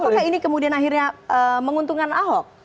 apakah ini kemudian akhirnya menguntungkan ahok